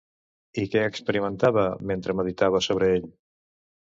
I què experimentava mentre meditava sobre ell?